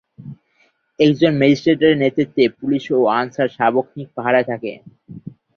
একজন ম্যাজিস্ট্রেটের নেতৃত্বে পুলিশ ও আনসার সার্বক্ষণিক পাহারায় থাকে।